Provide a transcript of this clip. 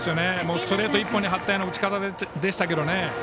ストレート一本に張ったような打ち方でしたね。